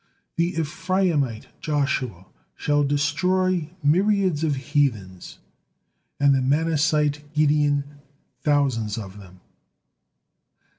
The Ephraimite Joshua shall destroy myriads of heathens, and the Manassite Gideon thousands of them."